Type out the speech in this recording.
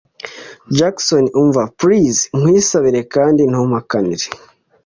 Jackson umva please nkwisabire kandi ntumpakanire